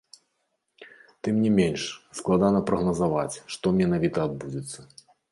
Тым не менш, складана прагназаваць, што менавіта адбудзецца.